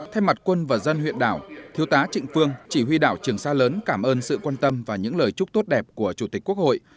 thay mặt quân và dân huyện đảo thiếu tá trịnh phương chỉ huy đảo trường sa lớn cảm ơn sự quan tâm và những lời chúc tốt đẹp của chủ tịch quốc hội